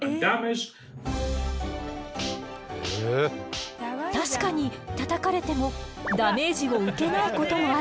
確かにたたかれてもダメージを受けないこともあるわね。